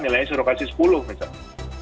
nilainya suruh kasih sepuluh misalnya